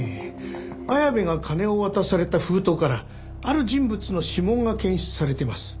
綾部が金を渡された封筒からある人物の指紋が検出されてます。